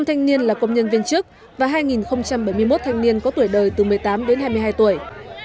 năm thanh niên là công nhân viên chức và hai bảy mươi một thanh niên có tuổi đời từ một mươi tám đến hai mươi hai tuổi